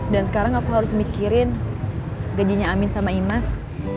dan sekarang aku harus mikirin gajinya amin sama imas